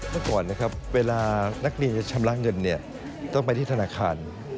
เมื่อก่อนเวลานักเรียนชำระเงินต้องไปที่ธนาคาร